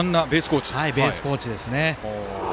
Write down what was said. ベースコーチですね。